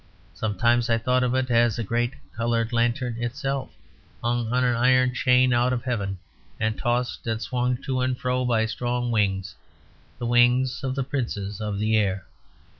Sometimes I thought of it as a great coloured lantern itself, hung on an iron chain out of heaven and tossed and swung to and fro by strong wings, the wings of the princes of the air.